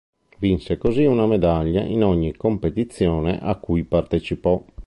Vinse così una medaglia in ogni competizione a cui partecipò.